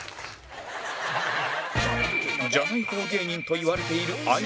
じゃない方芸人と言われている相田は